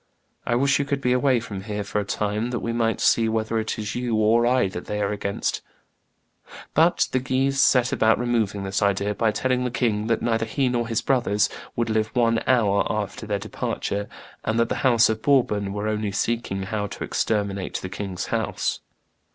I wish you could be away from here for a time, that we might see whether it is you or I that they are against." But the Guises set about removing this idea by telling the king that neither he nor his brothers would live one hour after their departure, and "that the house of Bourbon were only seeking how to exterminate the king's house."